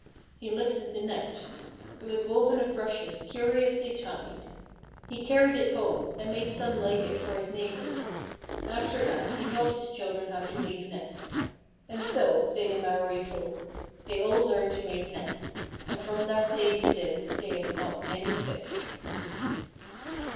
He lifted the net. It was woven of rushes curiously tied. He carried it home, and made some like it for his neighbours. After that he taught his children how to weave nets. And so, say the Maori folk, they all learned to make nets. And from that day to this they have caught many fish.